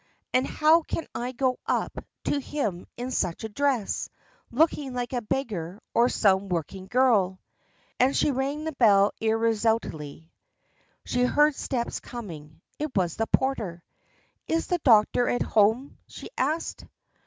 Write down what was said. "And how can I go up to him in such a dress, looking like a beggar or some working girl?" And she rang the bell irresolutely. She heard steps coming: it was the porter. "Is the doctor at home?" she asked.